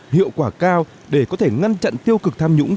hiệu quả cao để có thể ngăn chặn tiêu cực tham nhũng